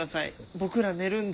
僕ら寝るんで。